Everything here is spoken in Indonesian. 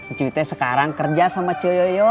ncuy teh sekarang kerja sama ciyoyo